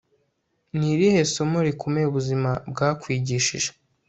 ni irihe somo rikomeye ubuzima bwakwigishije